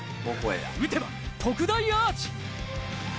打てば特大アーチ。